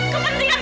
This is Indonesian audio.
kamu dusta tolong